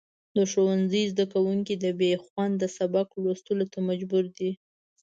د ښوونځي زدهکوونکي د بېخونده سبق لوستلو ته مجبور دي.